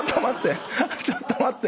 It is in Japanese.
ちょっと待って。